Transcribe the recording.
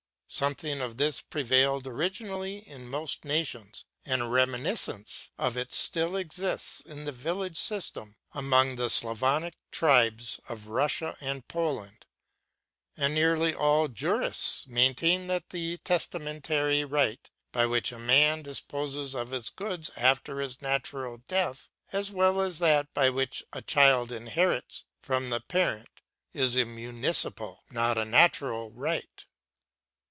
Something of this prevailed originally in most nations, and a reminiscence of it still exists in the village system among the Slavonic tribes of Russia and Poland; and nearly all jurists maintain that the testamentary right by which a man disposes of his goods after his natural death, as well as that by which a child inherits from the parent, is a municipal, not a natural right.